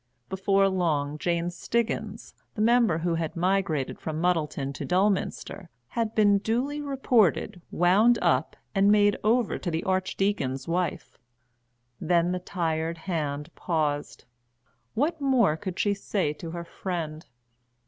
Before long Jane Stiggins, the member who had migrated from Muddleton to Dulminster, had been duly reported, wound up, and made over to the Archdeacon's wife. Then the tired hand paused. What more could she say to her friend?